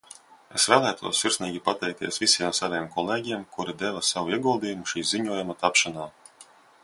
Es vēlētos sirsnīgi pateikties visiem saviem kolēģiem, kuri deva savu ieguldījumu šī ziņojuma tapšanā.